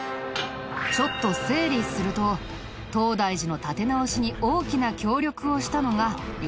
ちょっと整理すると東大寺の建て直しに大きな協力をしたのが頼朝。